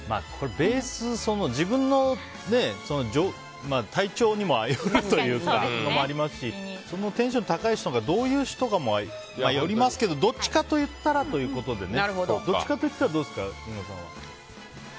ベース、自分の体調にもよるというか。というのもありますしそのテンション高い人がどういう人かにもよりますけどどっちかといったらということでね。